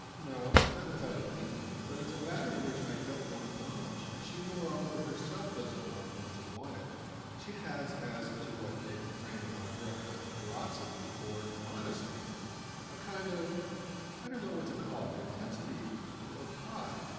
"No, not without an inkling; but it's a matter in which I don't want knowledge. She moreover herself doesn't want one to want it: she has, as to what may be preying upon her, a kind of ferocity of modesty, a kind of I don't know what to call it intensity of pride.